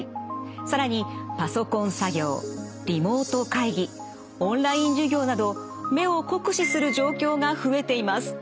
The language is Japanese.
更にパソコン作業リモート会議オンライン授業など目を酷使する状況が増えています。